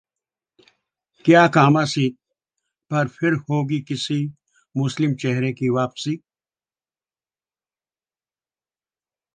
क्या कामां सीट पर फिर होगी किसी मुस्लिम चेहरे की वापसी?